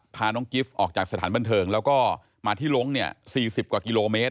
พาน้องกิฟต์ออกจากสถานบันเทิงแล้วก็มาที่ลงเนี่ย๔๐กว่ากิโลเมตร